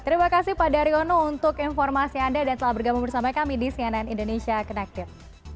terima kasih pak daryono untuk informasi anda dan telah bergabung bersama kami di cnn indonesia connected